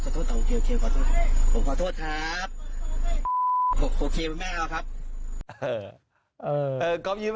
เดี๋ยว